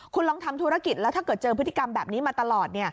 คุณลองทำธุรกิจแล้วถ้าเกิดเจอพฤติกรรมแบบนี้มาตลอด